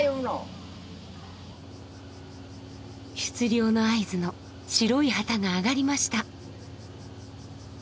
出漁の合図の白い旗が上がりました。